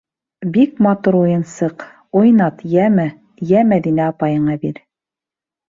— Бик матур уйынсыҡ, уйнат, йәме, йә Мәҙинә апайыңа бир.